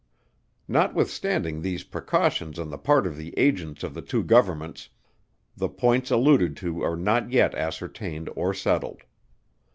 Notwithstanding these precautions on the part of the Agents of the two Governments, the points alluded to are not yet ascertained or settled.